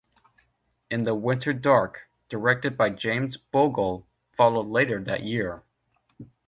"In the Winter Dark", directed by James Bogle, followed later that year.